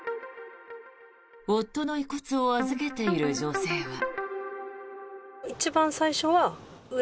夫の遺骨を預けている女性は。